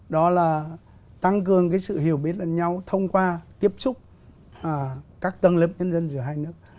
đó là tăng cường cái sự hiểu biết lần nhau thông qua tiếp xúc các tân lập nhân dân giữa hai nước